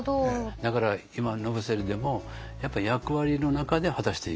だから今野伏でもやっぱり役割の中で果たしていく。